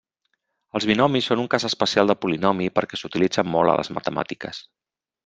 Els binomis són un cas especial de polinomi perquè s'utilitzen molt a les matemàtiques.